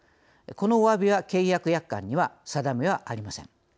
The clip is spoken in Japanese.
このおわびは契約約款には定めはありません。